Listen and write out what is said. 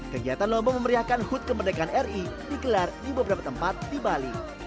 kegiatan lomba memeriahkan khut kemerdekaan ri dikelar di beberapa tempat di bali